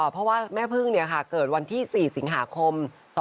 เพราะว่าแม่พึ่งเนี่ยค่ะเกิดวันที่๔สิงหาคม